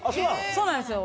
そうなんですよ。